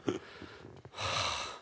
はあ。